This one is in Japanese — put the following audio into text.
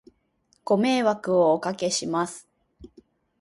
ご迷惑をお掛けします